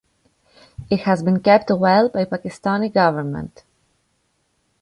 It has been kept well by Pakistani government.